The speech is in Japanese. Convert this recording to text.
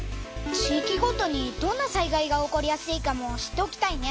地いきごとにどんな災害が起こりやすいかも知っておきたいね。